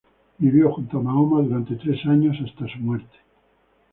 Vivió junto a Mahoma durante tres años, hasta su muerte.